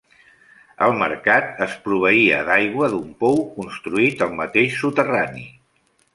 El mercat es proveïa d'aigua d'un pou construït al mateix soterrani.